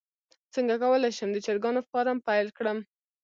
څنګه کولی شم د چرګانو فارم پیل کړم